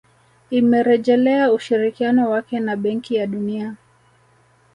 Imerejelea ushirikiano wake na Benki ya Dunia